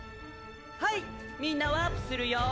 ハイみんなワープするよ。